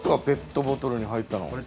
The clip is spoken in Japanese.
ペットボトルに入ったの。